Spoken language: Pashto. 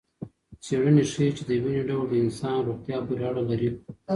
څېړنې ښيي چې دویني ډول د انسان روغتیا پورې اړه لري.